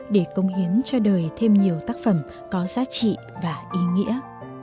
để công hiến cho đời thêm nhiều tác phẩm có giá trị và ý nghĩa